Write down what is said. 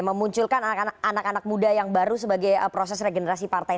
memunculkan anak anak muda yang baru sebagai proses regenerasi partai